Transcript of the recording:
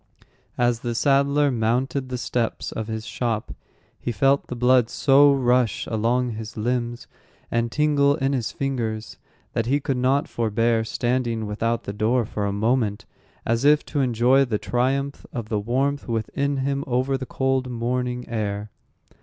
As the saddler mounted the steps of his shop, he felt the blood so rush along his limbs, and tingle in his fingers, that he could not forbear standing without the door for a moment, as if to enjoy the triumph of the warmth within him over the cold morning air.